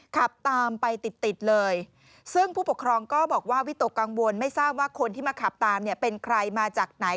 ขับตามไปติดติดเลยซึ่งผู้ปกครองก็บอกว่าวิตกกังวลไม่ทราบว่าคนที่มาขับตามเนี่ยเป็นใครมาจากไหน